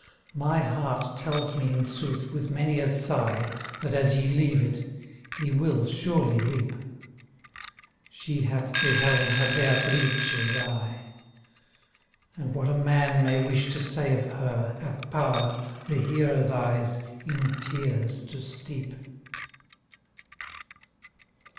My heart tells me in sooth with many a sigh, '" That, as ye leave it, ye will surely weep : She hath beheld her Beatrice die, And what a man may wish to say of her. Hath power the hearer's eyes in tears to steep.